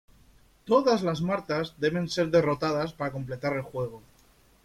Todas las Martas debe ser derrotadas para completar el juego.